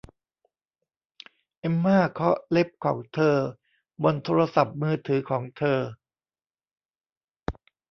เอมม่าเคาะเล็บของเธอบนโทรศัพท์มือถือของเธอ